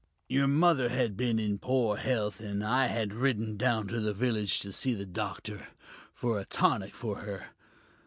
Your mother had been in poor health, and I had ridden down to the village to see the doctor, for a tonic for her.